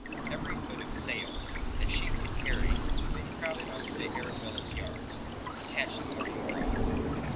Every foot of sail that she could carry had been crowded to the Arabella's yards, to catch the morning breeze.